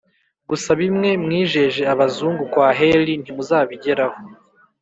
gusa bimwe mwijeje abazungu, kwaheli ntimuzabigeraho